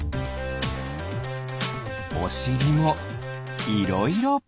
おしりもいろいろ。